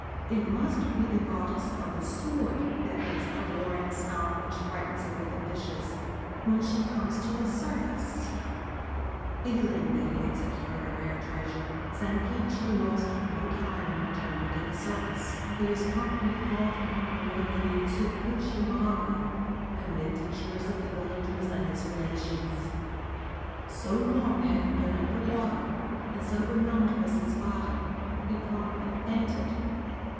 It must be the Goddess of the Sword that makes the roaring sound which frightens away the fishes — when she comes to the surface.1 114 Cape of the Woman's Sword Feeling that he had secured a rare treasure, Sankichi lost no time in returning to the surface. He was promptly hauled on board the Tsukushi maru amid the cheers of the villagers and his relations. So long had he been under water, and so benumbed was his body, he promptly fainted.